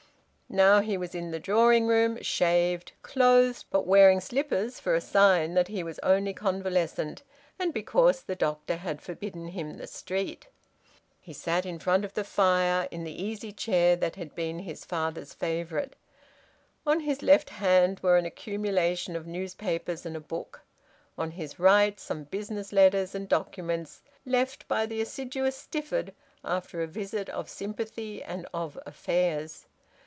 Now he was in the drawing room, shaved, clothed, but wearing slippers for a sign that he was only convalescent, and because the doctor had forbidden him the street. He sat in front of the fire, in the easy chair that had been his father's favourite. On his left hand were an accumulation of newspapers and a book; on his right, some business letters and documents left by the assiduous Stifford after a visit of sympathy and of affairs.